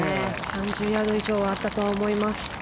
３０ヤード以上はあったと思います。